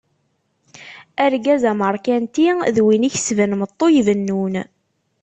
Argaz ameṛkanti d win ikesben meṭṭu ibennun.